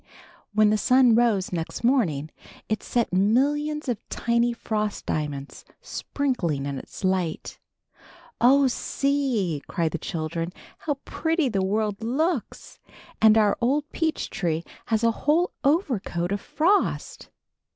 When the sun rose next morning it set millions of tiny frost diamonds sparkling in its light. ^^Oh, see!" cried the children. ^^How pretty the world looks ! And our old peach tree has a whole overcoat of frost.